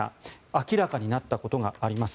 明らかになったことがあります。